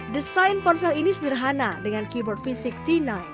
desain ponsel ini sederhana dengan keyboard fisik t sembilan